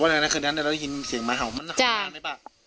แต่ว่าในคืนนั้นเราได้ยินเสียงหมาเห่ามันเห่านั้นไหมป้าจ้า